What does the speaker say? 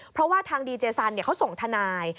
เพราะว่าทางดีเจสันเขาส่งทนาย